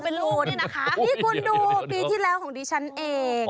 นี่คุณดูปีที่แล้วของดิฉันเอง